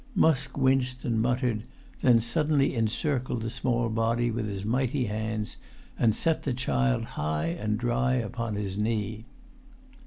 Musk winced and muttered, then suddenly encircled the small body with his mighty hands, and set the child high and dry upon his knee.